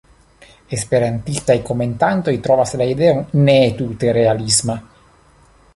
Esperantistaj komentantoj trovas la ideon ne tute realisma.